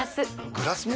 グラスも？